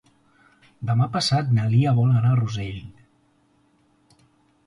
Demà passat na Lia vol anar a Rossell.